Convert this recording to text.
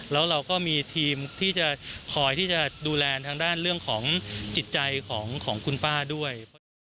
แล้วเราก็มีทีมที่จะคอยที่จะดูแลทางด้านเรื่องของจิตใจของคุณป้าด้วย